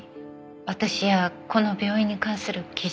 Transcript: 私やこの病院に関する記事を。